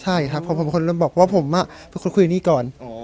ใช่ครับผมเป็นคนเริ่มบอกว่าผมเป็นคนคุยกันนี่ก่อน